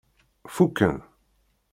Fuken.